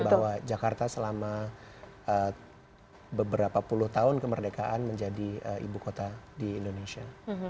bahwa jakarta selama beberapa puluh tahun kemerdekaan menjadi ibu kota di indonesia